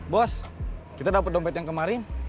bos kita dapat dompet yang kemarin